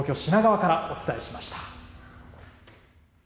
東京・品川からお伝えしました。